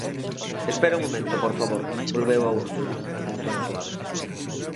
–Espera un momento, por favor –volveu a Úrsula, en ton suave–.